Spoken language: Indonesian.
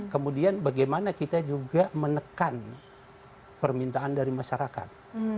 kemudian bagaimana kita juga menekan permintaan dari masyarakat